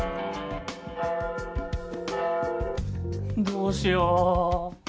どうしよう。